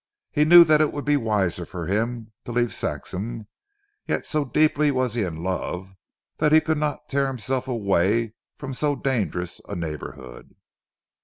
He knew that it would be wiser for him to leave Saxham, yet so deeply was he in love that he could not tear himself away from so dangerous a neighbourhood.